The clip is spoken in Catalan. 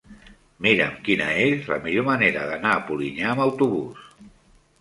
Mira'm quina és la millor manera d'anar a Polinyà amb autobús.